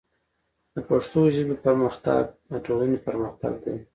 د پښتو ژبې پرمختګ د ټولنې پرمختګ دی.